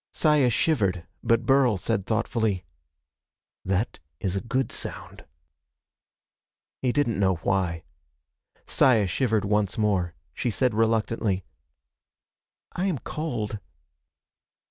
Saya shivered, but Burl said thoughtfully: "That is a good sound." He didn't know why. Saya shivered once more. She said reluctantly: "I am cold."